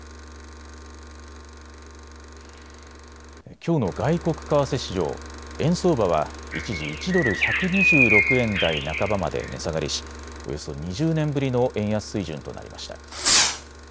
きょうの外国為替市場、円相場は一時１ドル１２６円台半ばまで値下がりしおよそ２０年ぶりの円安水準となりました。